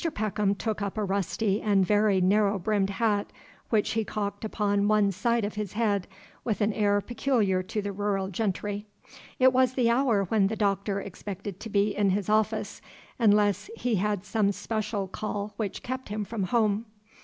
Peckham took up a rusty and very narrow brimmed hat, which he cocked upon one side of his head, with an air peculiar to the rural gentry. It was the hour when the Doctor expected to be in his office, unless he had some special call which kept him from home.